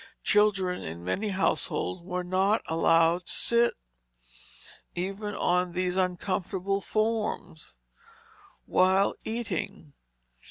Children in many households were not allowed to sit, even on these uncomfortable forms, while eating.